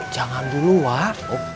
jangan dulu waa